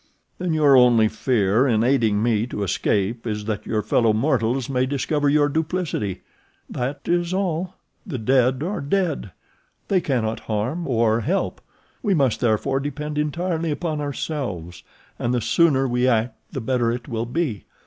"Then your only fear in aiding me to escape is that your fellow mortals may discover your duplicity?" "That is all—the dead are dead; they cannot harm—or help. We must therefore depend entirely upon ourselves, and the sooner we act the better it will be.